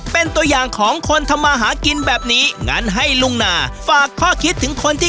เป็นตัวอย่างของคนทำมาหากินแบบนี้งั้นให้ลุงนาฝากข้อคิดถึงคนที่